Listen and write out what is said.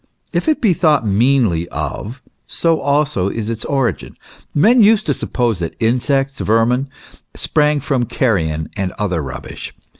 If it be thought meanly of, so also is its origin. Men used to suppose that insects, vermin, sprang from carrion, and other rubbish.